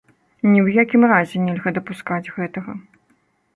Ні ў якім разе нельга дапускаць гэтага.